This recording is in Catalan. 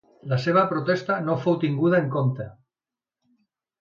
La seva protesta no fou tinguda en compte.